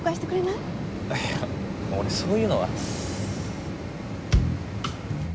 いや俺そういうのは。